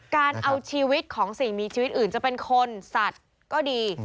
การเอาชีวิตของสิ่งมีชีวิตอื่นจะเป็นคนสัตว์ก็ดี